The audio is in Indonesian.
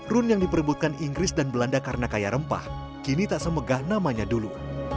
run yang diperebutkan inggris dan belanda karena kaya rempah kini tak semegah namanya dulu